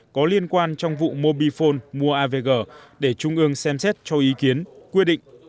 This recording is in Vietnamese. có liên quan trong vụ mobifone mua avg để trung ương xem xét cho ý kiến quy định